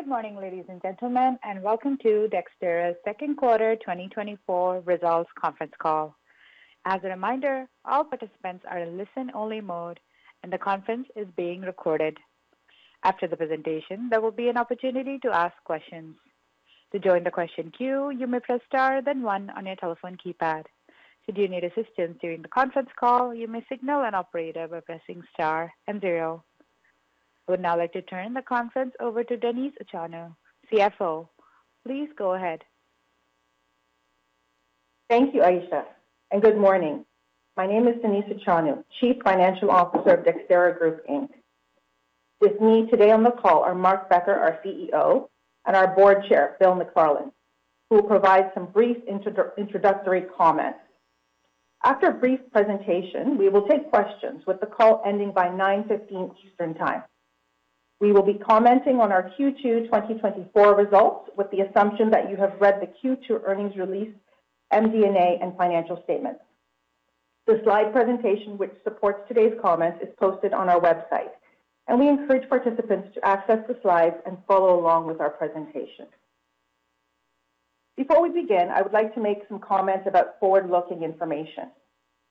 Good morning, ladies and gentlemen, and welcome to Dexterra's Q2 2024 Results Conference Call. As a reminder, all participants are in listen-only mode, and the conference is being recorded. After the presentation, there will be an opportunity to ask questions. To join the question queue, you may press star then one on your telephone keypad. Should you need assistance during the conference call, you may signal an operator by pressing star and zero. I would now like to turn the conference over to Denise Achonu, CFO. Please go ahead. Thank you, Aisha, and good morning. My name is Denise Achonu, Chief Financial Officer of Dexterra Group Inc. With me today on the call are Mark Becker, our CEO, and our board chair, Bill McFarland, who will provide some brief introductory comments. After a brief presentation, we will take questions, with the call ending by 9:15 A.M. Eastern Time. We will be commenting on our Q2 2024 results with the assumption that you have read the Q2 earnings release, MD&A, and financial statements. The slide presentation which supports today's comments is posted on our website, and we encourage participants to access the slides and follow along with our presentation. Before we begin, I would like to make some comments about forward-looking information.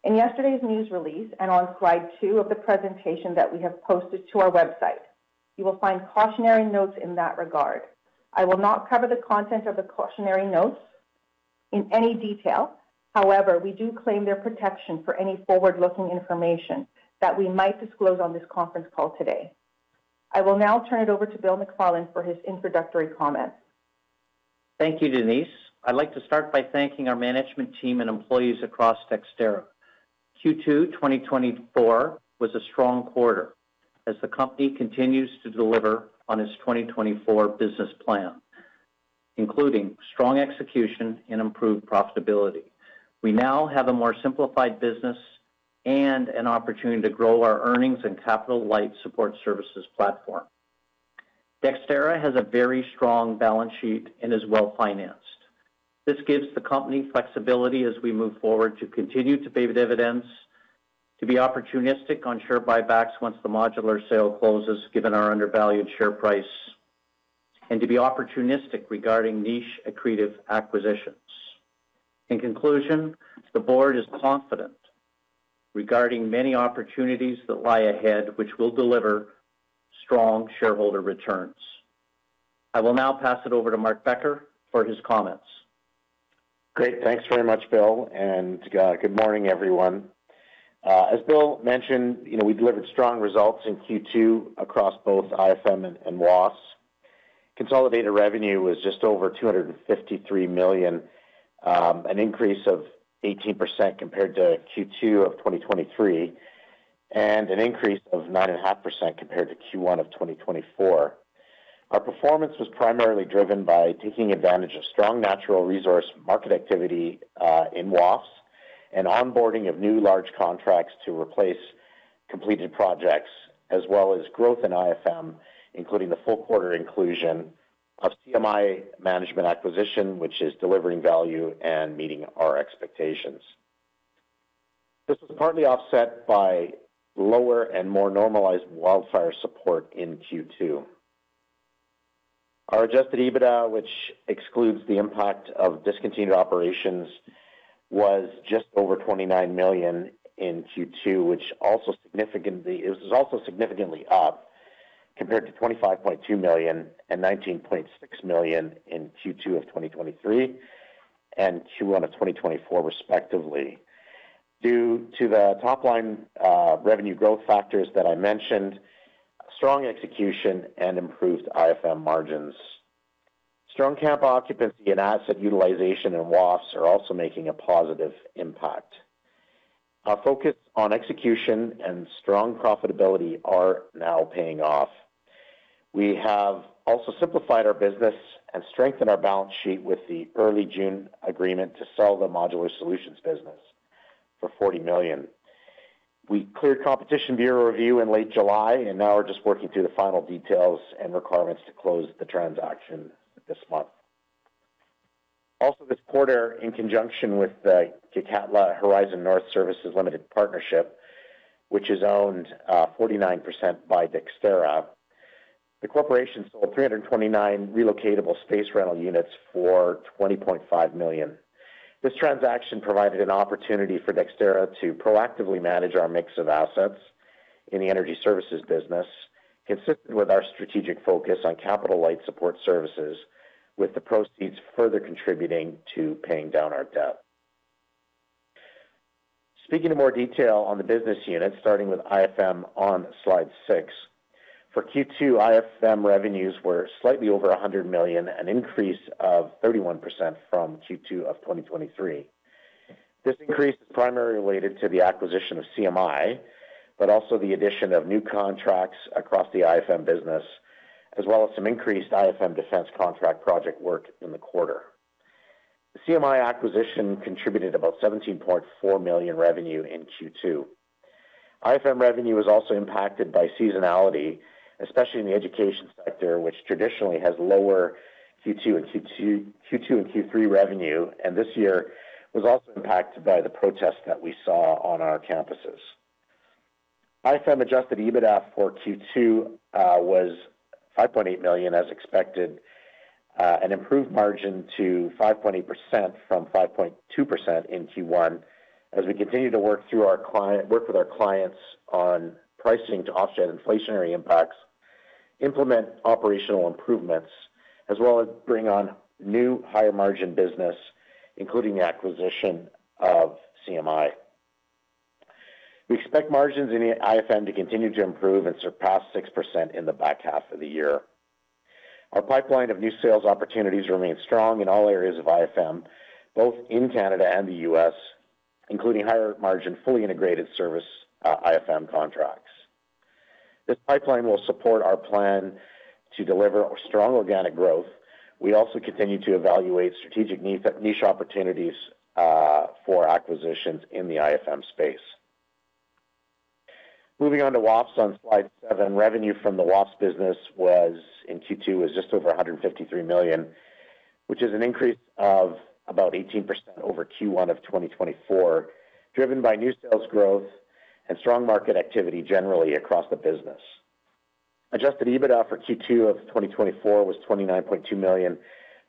In yesterday's news release and on slide two of the presentation that we have posted to our website, you will find cautionary notes in that regard. I will not cover the content of the cautionary notes in any detail. However, we do claim their protection for any forward-looking information that we might disclose on this conference call today. I will now turn it over to Bill McFarland for his introductory comments. Thank you, Denise. I'd like to start by thanking our management team and employees across Dexterra. Q2 2024 was a strong quarter as the company continues to deliver on its 2024 business plan, including strong execution and improved profitability. We now have a more simplified business and an opportunity to grow our earnings and capital light support services platform. Dexterra has a very strong balance sheet and is well financed. This gives the company flexibility as we move forward to continue to pay dividends, to be opportunistic on share buybacks once the modular sale closes, given our undervalued share price, and to be opportunistic regarding niche accretive acquisitions. In conclusion, the board is confident regarding many opportunities that lie ahead, which will deliver strong shareholder returns. I will now pass it over to Mark Becker for his comments. Great. Thanks very much, Bill, and good morning, everyone. As Bill mentioned, we delivered strong results in Q2 across both IFM and WAFES. Consolidated revenue was just over 253 million, an increase of 18% compared to Q2 of 2023, and an increase of 9.5% compared to Q1 of 2024. Our performance was primarily driven by taking advantage of strong natural resource market activity in WAFES and onboarding of new large contracts to replace completed projects, as well as growth in IFM, including the full quarter inclusion of CMI Management acquisition, which is delivering value and meeting our expectations. This was partly offset by lower and more normalized wildfire support in Q2. Our Adjusted EBITDA, which excludes the impact of discontinued operations, was just over 29 million in Q2, which was also significantly up compared to 25.2 million and 19.6 million in Q2 of 2023 and Q1 of 2024, respectively. Due to the top-line revenue growth factors that I mentioned, strong execution and improved IFM margins, strong campaign occupancy and asset utilization in WAFES are also making a positive impact. Our focus on execution and strong profitability is now paying off. We have also simplified our business and strengthened our balance sheet with the early June agreement to sell the Modular Solutions business for 40 million. We cleared Competition Bureau review in late July, and now we're just working through the final details and requirements to close the transaction this month. Also, this quarter, in conjunction with the Gitxaala Horizon North Services Limited Partnership, which is owned 49% by Dexterra, the corporation sold 329 relocatable space rental units for $20.5 million. This transaction provided an opportunity for Dexterra to proactively manage our mix of assets in the energy services business, consistent with our strategic focus on capital light support services, with the proceeds further contributing to paying down our debt. Speaking in more detail on the business unit, starting with IFM on slide 6, for Q2, IFM revenues were slightly over $100 million, an increase of 31% from Q2 of 2023. This increase is primarily related to the acquisition of CMI, but also the addition of new contracts across the IFM business, as well as some increased IFM defense contract project work in the quarter. CMI acquisition contributed about $17.4 million revenue in Q2. IFM revenue was also impacted by seasonality, especially in the education sector, which traditionally has lower Q2 and Q3 revenue, and this year was also impacted by the protests that we saw on our campuses. IFM adjusted EBITDA for Q2 was 5.8 million, as expected, an improved margin to 5.8% from 5.2% in Q1, as we continue to work with our clients on pricing to offset inflationary impacts, implement operational improvements, as well as bring on new higher-margin business, including the acquisition of CMI. We expect margins in IFM to continue to improve and surpass 6% in the back half of the year. Our pipeline of new sales opportunities remains strong in all areas of IFM, both in Canada and the U.S., including higher-margin, fully integrated service IFM contracts. This pipeline will support our plan to deliver strong organic growth. We also continue to evaluate strategic niche opportunities for acquisitions in the IFM space. Moving on to WAFES on slide 7, revenue from the WAFES business in Q2 was just over 153 million, which is an increase of about 18% over Q1 of 2024, driven by new sales growth and strong market activity generally across the business. Adjusted EBITDA for Q2 of 2024 was 29.2 million,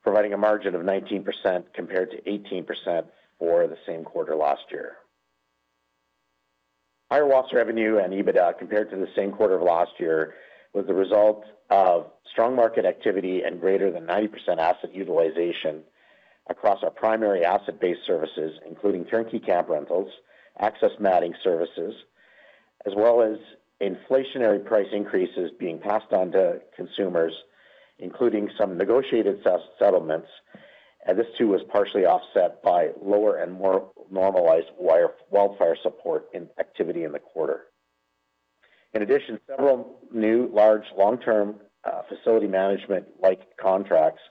providing a margin of 19% compared to 18% for the same quarter last year. Higher WAFES revenue and EBITDA compared to the same quarter of last year was the result of strong market activity and greater than 90% asset utilization across our primary asset-based services, including turnkey camp rentals, access matting services, as well as inflationary price increases being passed on to consumers, including some negotiated settlements. This too was partially offset by lower and more normalized wildfire support activity in the quarter. In addition, several new large long-term facility management-like contracts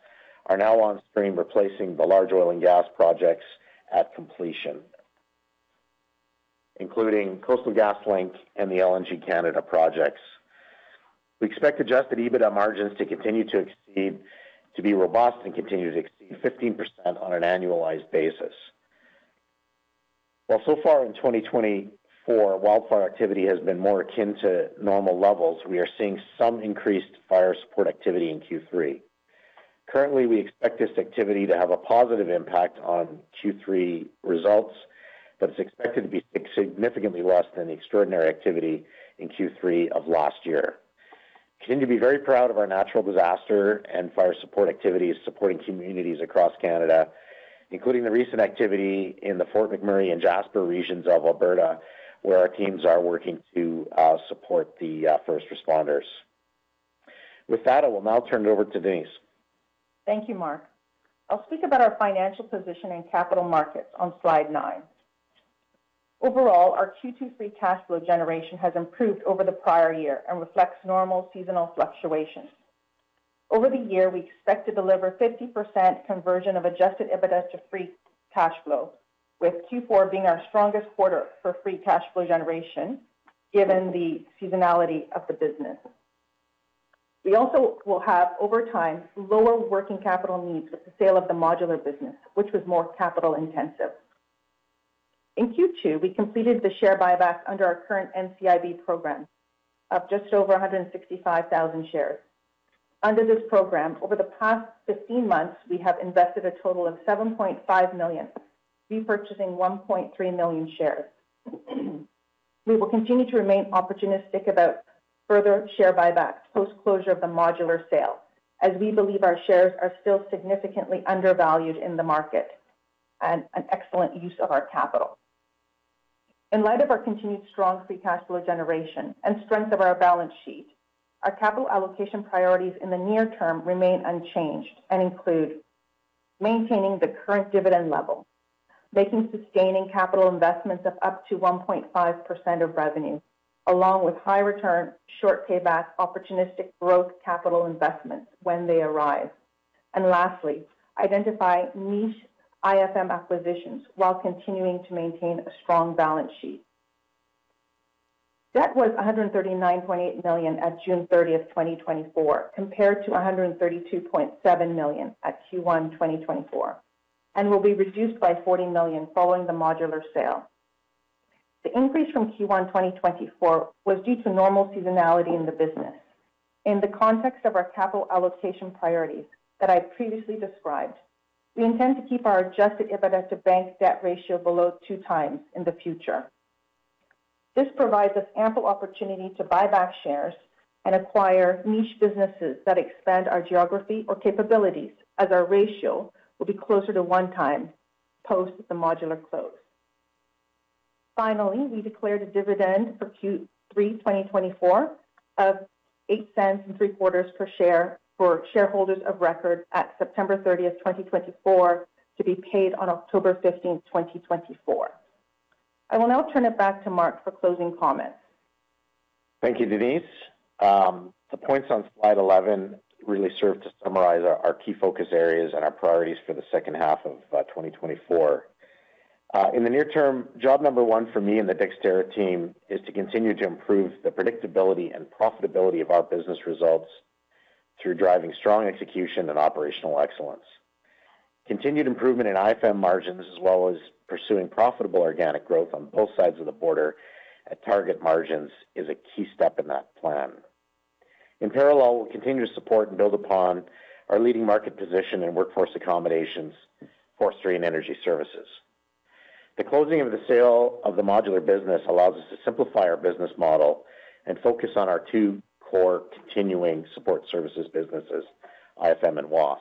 are now on stream, replacing the large oil and gas projects at completion, including Coastal GasLink and the LNG Canada projects. We expect Adjusted EBITDA margins to continue to exceed, to be robust and continue to exceed 15% on an annualized basis. While so far in 2024, wildfire activity has been more akin to normal levels, we are seeing some increased fire support activity in Q3. Currently, we expect this activity to have a positive impact on Q3 results, but it's expected to be significantly less than the extraordinary activity in Q3 of last year. We continue to be very proud of our natural disaster and fire support activities supporting communities across Canada, including the recent activity in the Fort McMurray and Jasper regions of Alberta, where our teams are working to support the first responders. With that, I will now turn it over to Denise. Thank you, Mark. I'll speak about our financial position and capital markets on slide 9. Overall, our Q2 Free Cash Flow generation has improved over the prior year and reflects normal seasonal fluctuations. Over the year, we expect to deliver 50% conversion of Adjusted EBITDA to Free Cash Flow, with Q4 being our strongest quarter for Free Cash Flow generation, given the seasonality of the business. We also will have, over time, lower working capital needs with the sale of the modular business, which was more capital intensive. In Q2, we completed the share buyback under our current NCIB program of just over 165,000 shares. Under this program, over the past 15 months, we have invested a total of 7.5 million, repurchasing 1.3 million shares. We will continue to remain opportunistic about further share buybacks post-closure of the modular sale, as we believe our shares are still significantly undervalued in the market and an excellent use of our capital. In light of our continued strong free cash flow generation and strength of our balance sheet, our capital allocation priorities in the near term remain unchanged and include maintaining the current dividend level, making sustaining capital investments of up to 1.5% of revenue, along with high-return, short payback, opportunistic growth capital investments when they arise. And lastly, identify niche IFM acquisitions while continuing to maintain a strong balance sheet. Debt was 139.8 million at June 30, 2024, compared to 132.7 million at Q1 2024, and will be reduced by 40 million following the modular sale. The increase from Q1 2024 was due to normal seasonality in the business. In the context of our capital allocation priorities that I previously described, we intend to keep our Adjusted EBITDA to bank debt ratio below 2x in the future. This provides us ample opportunity to buy back shares and acquire niche businesses that expand our geography or capabilities, as our ratio will be closer to 1x post the modular close. Finally, we declared a dividend for Q3 2024 of $0.08 and three quarters per share for shareholders of record at September 30, 2024, to be paid on October 15, 2024. I will now turn it back to Mark for closing comments. Thank you, Denise. The points on slide 11 really serve to summarize our key focus areas and our priorities for the second half of 2024. In the near term, job number one for me and the Dexterra team is to continue to improve the predictability and profitability of our business results through driving strong execution and operational excellence. Continued improvement in IFM margins, as well as pursuing profitable organic growth on both sides of the border at target margins, is a key step in that plan. In parallel, we'll continue to support and build upon our leading market position in workforce accommodations, forestry, and energy services. The closing of the sale of the modular business allows us to simplify our business model and focus on our two core continuing support services businesses, IFM and WAFES.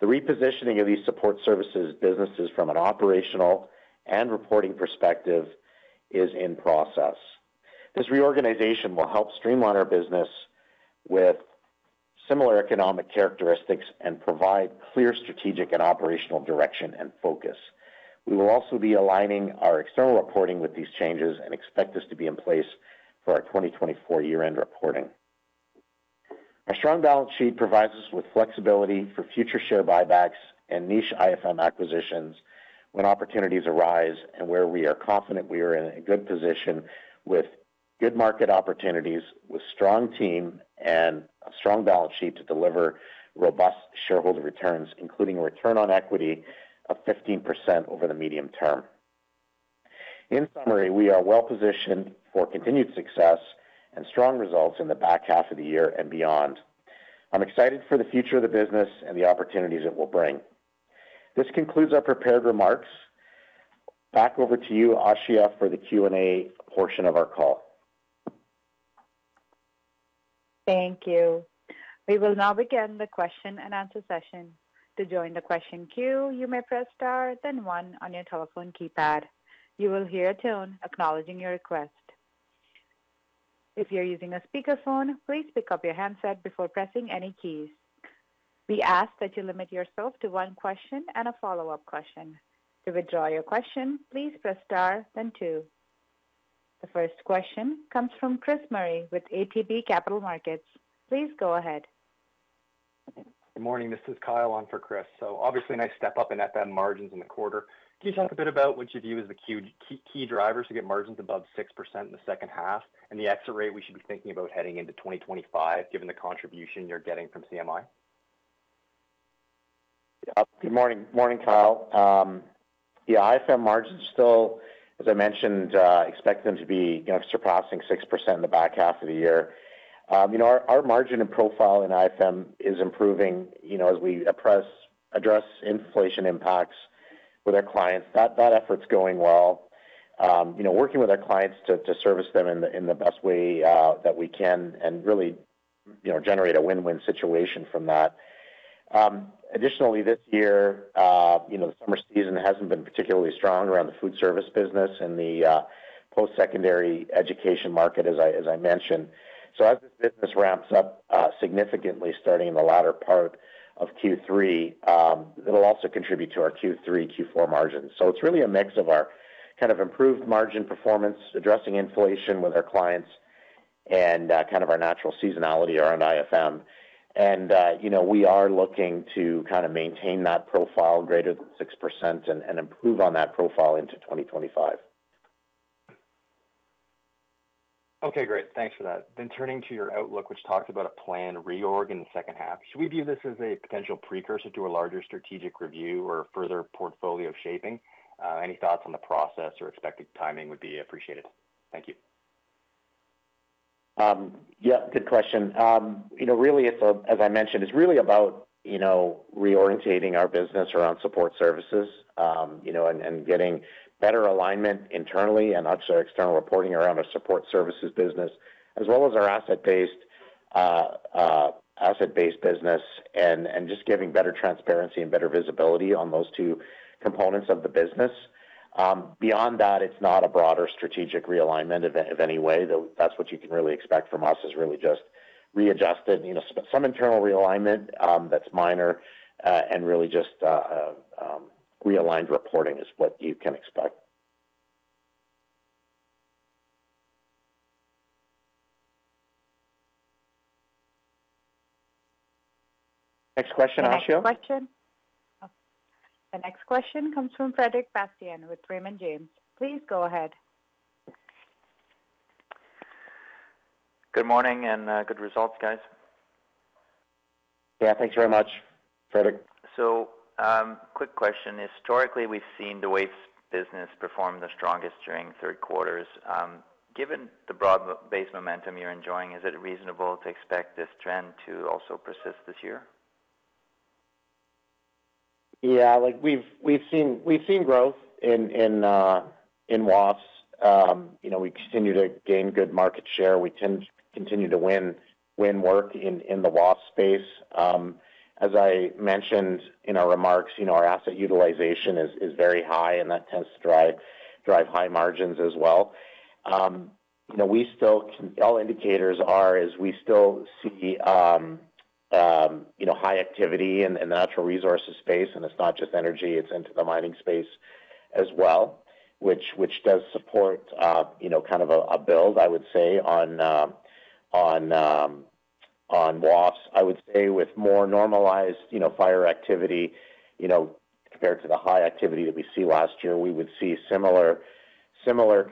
The repositioning of these support services businesses from an operational and reporting perspective is in process. This reorganization will help streamline our business with similar economic characteristics and provide clear strategic and operational direction and focus. We will also be aligning our external reporting with these changes and expect this to be in place for our 2024 year-end reporting. Our strong balance sheet provides us with flexibility for future share buybacks and niche IFM acquisitions when opportunities arise and where we are confident we are in a good position with good market opportunities, with a strong team and a strong balance sheet to deliver robust shareholder returns, including a return on equity of 15% over the medium term. In summary, we are well positioned for continued success and strong results in the back half of the year and beyond. I'm excited for the future of the business and the opportunities it will bring. This concludes our prepared remarks. Back over to you, Aisha, for the Q&A portion of our call. Thank you. We will now begin the question and answer session. To join the question queue, you may press star then one on your telephone keypad. You will hear a tone acknowledging your request. If you're using a speakerphone, please pick up your handset before pressing any keys. We ask that you limit yourself to one question and a follow-up question. To withdraw your question, please press star then two. The first question comes from Chris Murray with ATB Capital Markets. Please go ahead. Good morning. This is Kyle on for Chris. Obviously, a nice step up in FM margins in the quarter. Can you talk a bit about what you view as the key drivers to get margins above 6% in the second half and the exit rate we should be thinking about heading into 2025, given the contribution you're getting from CMI? Yeah. Good morning. Morning, Kyle. Yeah, IFM margins are still, as I mentioned, expect them to be surpassing 6% in the back half of the year. Our margin and profile in IFM is improving as we address inflation impacts with our clients. That effort's going well, working with our clients to service them in the best way that we can and really generate a win-win situation from that. Additionally, this year, the summer season hasn't been particularly strong around the food service business and the post-secondary education market, as I mentioned. So as this business ramps up significantly starting in the latter part of Q3, it'll also contribute to our Q3, Q4 margins. So it's really a mix of our kind of improved margin performance, addressing inflation with our clients, and kind of our natural seasonality around IFM. We are looking to kind of maintain that profile greater than 6% and improve on that profile into 2025. Okay, great. Thanks for that. Then turning to your outlook, which talks about a planned reorg in the second half. Should we view this as a potential precursor to a larger strategic review or further portfolio shaping? Any thoughts on the process or expected timing would be appreciated. Thank you. Yeah, good question. Really, as I mentioned, it's really about reorienting our business around support services and getting better alignment internally and external reporting around our support services business, as well as our asset-based business, and just giving better transparency and better visibility on those two components of the business. Beyond that, it's not a broader strategic realignment of any way. That's what you can really expect from us, is really just readjusted, some internal realignment that's minor, and really just realigned reporting is what you can expect. Next question, Aisha? Next question. The next question comes from Frederic Bastien with Raymond James. Please go ahead. Good morning and good results, guys. Yeah, thanks very much, Frederick. Quick question. Historically, we've seen the WAFES business perform the strongest during Q3s. Given the broad-based momentum you're enjoying, is it reasonable to expect this trend to also persist this year? Yeah, we've seen growth in WAFES. We continue to gain good market share. We continue to win work in the WAFES space. As I mentioned in our remarks, our asset utilization is very high, and that tends to drive high margins as well. All indicators are is we still see high activity in the natural resources space, and it's not just energy. It's into the mining space as well, which does support kind of a build, I would say, on WAFES. I would say with more normalized fire activity compared to the high activity that we see last year, we would see similar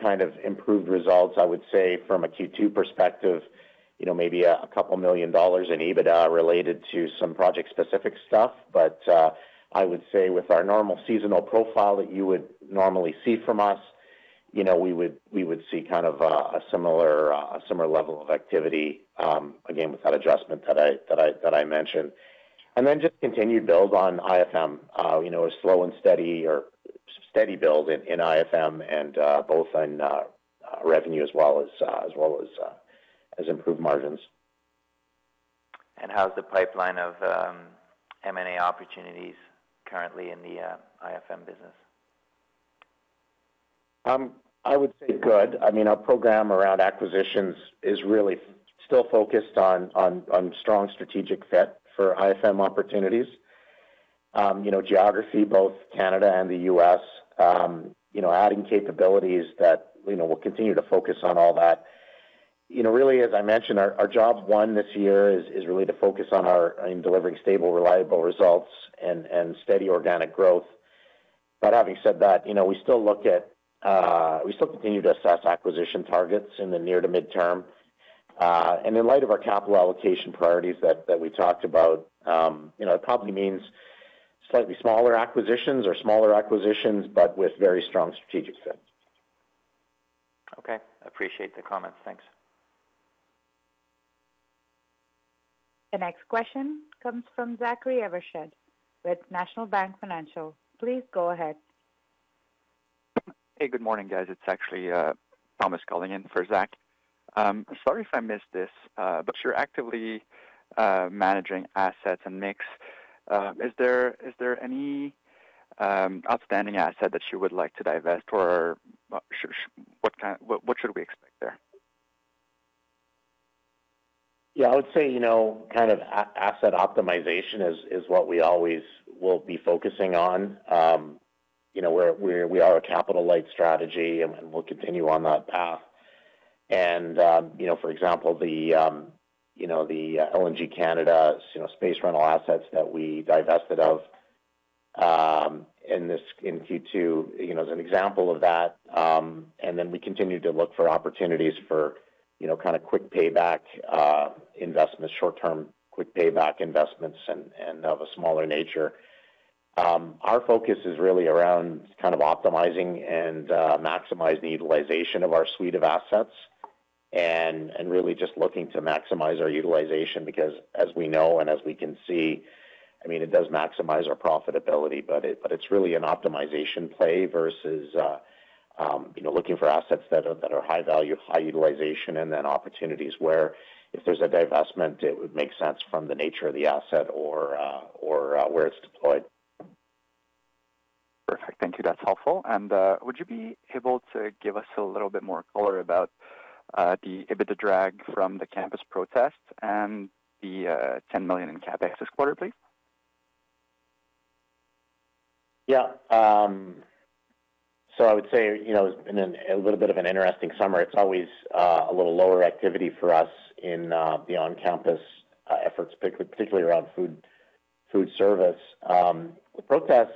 kind of improved results, I would say, from a Q2 perspective, maybe 2 million dollars in EBITDA related to some project-specific stuff. But I would say with our normal seasonal profile that you would normally see from us, we would see kind of a similar level of activity, again, with that adjustment that I mentioned. And then just continued build on IFM, a slow and steady build in IFM and both in revenue as well as improved margins. How's the pipeline of M&A opportunities currently in the IFM business? I would say good. I mean, our program around acquisitions is really still focused on strong strategic fit for IFM opportunities, geography, both Canada and the US, adding capabilities that we'll continue to focus on all that. Really, as I mentioned, our job one this year is really to focus on delivering stable, reliable results and steady organic growth. But having said that, we still continue to assess acquisition targets in the near to midterm. And in light of our capital allocation priorities that we talked about, it probably means slightly smaller acquisitions or smaller acquisitions, but with very strong strategic fit. Okay. Appreciate the comments. Thanks. The next question comes from Zachary Evershed with National Bank Financial. Please go ahead. Hey, good morning, guys. It's actually Thomas Culligan for Zach. Sorry if I missed this, but you're actively managing assets and mix. Is there any outstanding asset that you would like to divest or what should we expect there? Yeah, I would say kind of asset optimization is what we always will be focusing on. We are a capital-light strategy, and we'll continue on that path. For example, the LNG Canada space rental assets that we divested of in Q2 is an example of that. Then we continue to look for opportunities for kind of quick payback investments, short-term quick payback investments of a smaller nature. Our focus is really around kind of optimizing and maximizing utilization of our suite of assets and really just looking to maximize our utilization because, as we know and as we can see, I mean, it does maximize our profitability, but it's really an optimization play versus looking for assets that are high value, high utilization, and then opportunities where if there's a divestment, it would make sense from the nature of the asset or where it's deployed. Perfect. Thank you. That's helpful. Would you be able to give us a little bit more color about the EBITDA drag from the campus protest and the 10 million in CapEx this quarter, please? Yeah. So I would say in a little bit of an interesting summer, it's always a little lower activity for us in the on-campus efforts, particularly around food service. The protests,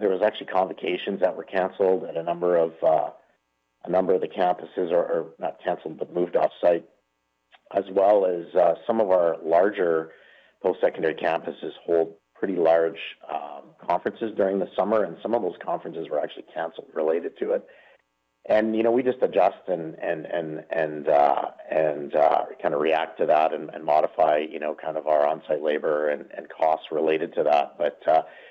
there were actually convocations that were canceled at a number of the campuses or not canceled, but moved off-site, as well as some of our larger post-secondary campuses hold pretty large conferences during the summer, and some of those conferences were actually canceled related to it. And we just adjust and kind of react to that and modify kind of our on-site labor and costs related to that. But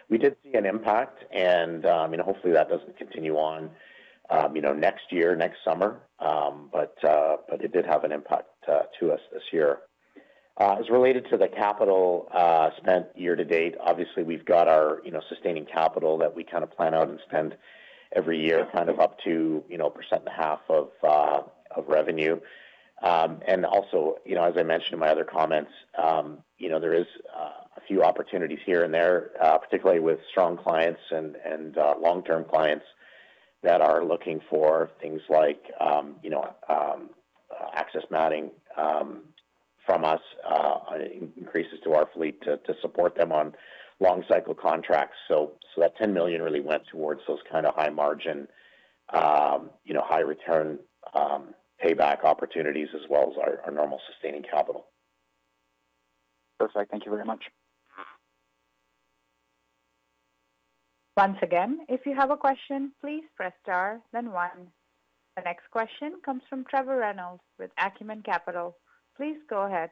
we did see an impact, and hopefully that doesn't continue on next year, next summer, but it did have an impact to us this year. As related to the capital spent year to date, obviously, we've got our sustaining capital that we kind of plan out and spend every year kind of up to 1.5% of revenue. And also, as I mentioned in my other comments, there are a few opportunities here and there, particularly with strong clients and long-term clients that are looking for things like access matting from us, increases to our fleet to support them on long-cycle contracts. So that 10 million really went towards those kind of high margin, high-return payback opportunities as well as our normal sustaining capital. Perfect. Thank you very much. Once again, if you have a question, please press star then one. The next question comes from Trevor Reynolds with Acumen Capital. Please go ahead.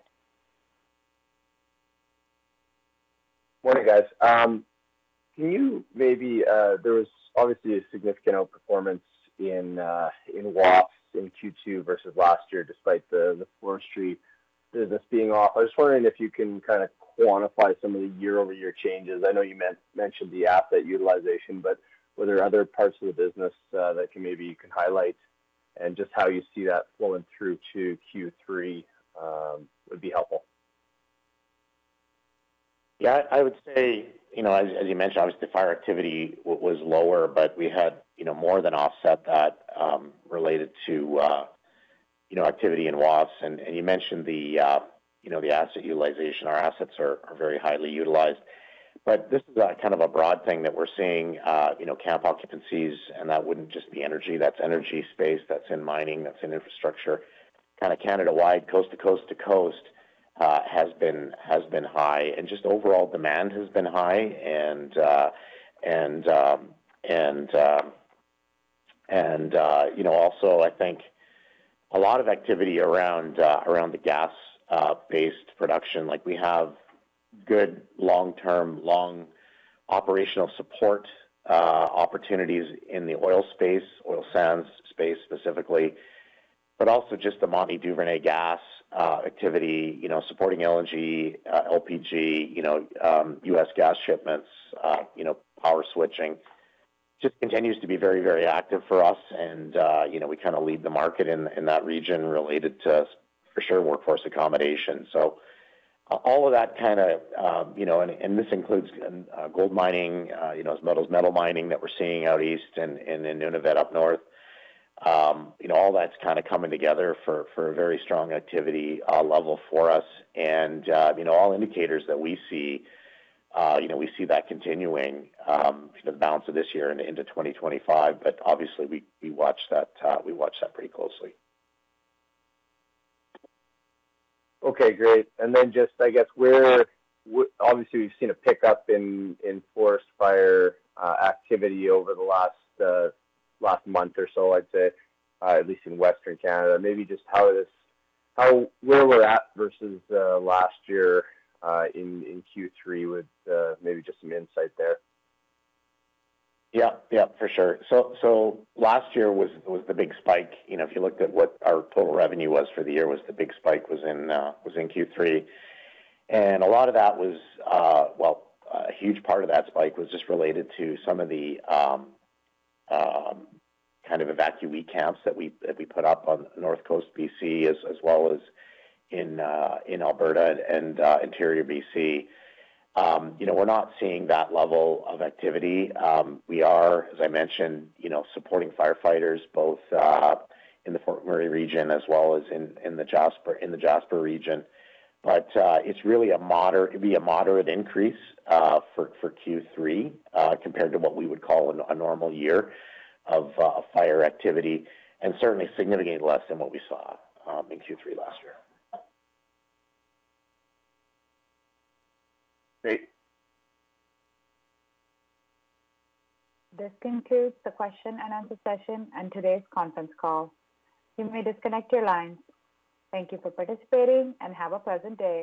Morning, guys. Can you maybe, there was obviously a significant outperformance in WAFES in Q2 versus last year despite the forestry business being off. I was just wondering if you can kind of quantify some of the year-over-year changes. I know you mentioned the asset utilization, but were there other parts of the business that maybe you can highlight and just how you see that flowing through to Q3 would be helpful? Yeah, I would say, as you mentioned, obviously, the fire activity was lower, but we had more than offset that related to activity in WAFES. And you mentioned the asset utilization. Our assets are very highly utilized. But this is kind of a broad thing that we're seeing: camp occupancies, and that wouldn't just be energy. That's energy space. That's in mining. That's in infrastructure. Kind of Canada-wide, coast to coast to coast has been high, and just overall demand has been high. And also, I think a lot of activity around the gas-based production. We have good long-term, long operational support opportunities in the oil space, oil sands space specifically, but also just the Montney Duvernay gas activity, supporting LNG, LPG, U.S. gas shipments, power switching. Just continues to be very, very active for us, and we kind of lead the market in that region related to, for sure, workforce accommodation. So all of that kind of, and this includes gold mining, as well as metal mining that we're seeing out east and in Nunavut up north. All that's kind of coming together for a very strong activity level for us. And all indicators that we see, we see that continuing through the balance of this year into 2025. But obviously, we watch that pretty closely. Okay, great. And then just, I guess, where obviously we've seen a pickup in forest fire activity over the last month or so, I'd say, at least in western Canada. Maybe just where we're at versus last year in Q3 with maybe just some insight there. Yeah, yeah, for sure. So last year was the big spike. If you looked at what our total revenue was for the year, the big spike was in Q3. And a lot of that was, well, a huge part of that spike was just related to some of the kind of evacuee camps that we put up on the north coast of BC, as well as in Alberta and interior BC. We're not seeing that level of activity. We are, as I mentioned, supporting firefighters both in the Fort McMurray region as well as in the Jasper region. But it's really a moderate, it'd be a moderate increase for Q3 compared to what we would call a normal year of fire activity, and certainly significantly less than what we saw in Q3 last year. Great. This concludes the question and answer session and today's conference call. You may disconnect your lines. Thank you for participating and have a pleasant day.